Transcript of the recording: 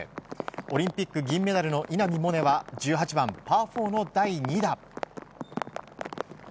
オリンピック銀メダルの稲見萌寧は１８番、パー４の第２打。